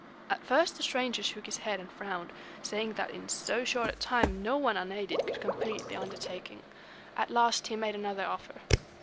At first the stranger shook his head and frowned, saying that in so short a time no one unaided could complete the undertaking. At last he made another offer.